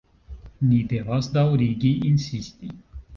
Ni devas daŭrigi insisti.